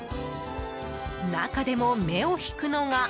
中でも目を引くのが。